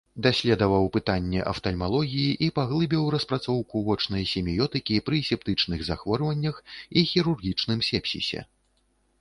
Даследаваў пытанні афтальмалогіі і паглыбіў распрацоўку вочнай семіётыкі пры септычных захворваннях і хірургічным сепсісе.